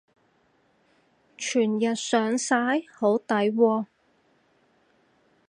全日上晒？好抵喎